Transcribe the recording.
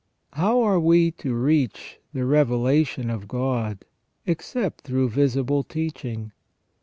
How are we to reach the revelation of God except through visible teaching